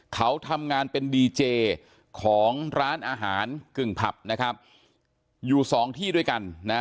เขาทำงานเป็นดีเจของร้านอาหารกึ่งผับนะครับอยู่สองที่ด้วยกันนะ